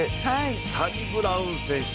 サニブラウン選手